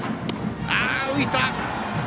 浮いた！